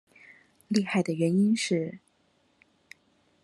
厲害的原因是